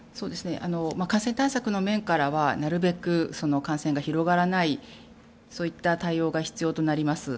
感染対策の面からはなるべく感染が広がらない対応が必要となります。